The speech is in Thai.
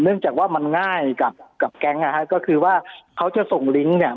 จากว่ามันง่ายกับกับแก๊งนะฮะก็คือว่าเขาจะส่งลิงก์เนี่ย